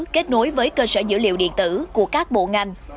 kết nối với cơ sở dữ liệu điện tử của các bộ ngành